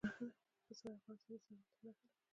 پسه د افغانستان د زرغونتیا نښه ده.